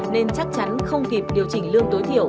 nên chắc chắn không kịp điều chỉnh lương tối thiểu